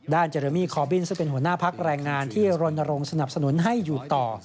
เจเรมี่คอบินซึ่งเป็นหัวหน้าพักแรงงานที่รณรงค์สนับสนุนให้อยู่ต่อ